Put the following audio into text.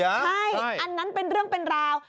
ใช่อันนั้นเป็นเรื่องเป็นราว